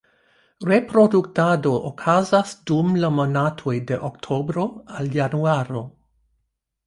Reproduktado okazas dum la monatoj de oktobro al januaro.